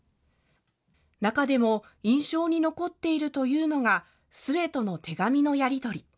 中でも印象に残っているというのが、壽衛との手紙のやり取り。